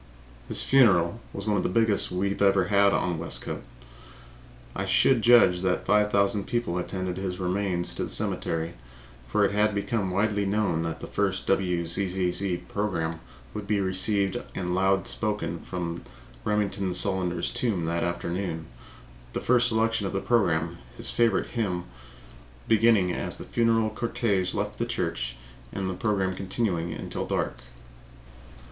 His funeral was one of the biggest we ever had in Westcote. I should judge that five thousand people attended his remains to the cemetery, for it had become widely known that the first WZZZ program would be received and loud spoken from Remington Solander's tomb that afternoon, the first selection on the program his favorite hymn beginning as the funeral cortege left the church and the program continuing until dark.